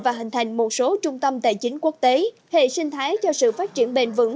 và hình thành một số trung tâm tài chính quốc tế hệ sinh thái cho sự phát triển bền vững